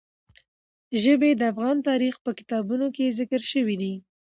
ژبې د افغان تاریخ په کتابونو کې ذکر شوی دي.